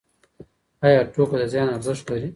ایا ټوکه د زیان ارزښت لري؟